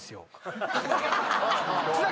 「津田